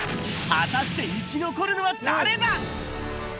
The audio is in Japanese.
果たして生き残るのは誰だ。